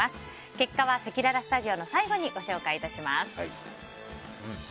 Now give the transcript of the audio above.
結果はせきららスタジオの最後にご紹介します。